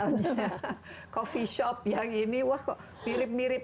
misalnya coffee shop yang ini mirip mirip